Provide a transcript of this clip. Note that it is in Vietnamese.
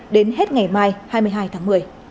đến hết ngày mai hai mươi hai tháng một mươi